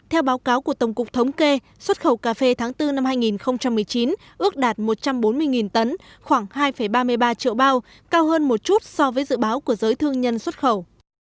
theo báo cáo của tổng cục thống kê xuất khẩu cà phê tháng bốn năm hai nghìn một mươi chín ước đạt một trăm bốn mươi tấn khoảng hai ba mươi ba triệu bao cao hơn một chút so với dự báo của giới thương nhân xuất khẩu